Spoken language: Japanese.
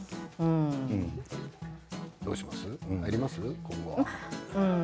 どうします？